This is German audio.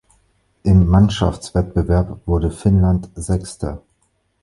Im Mannschaftswettbewerb wurde Finnland Sechster.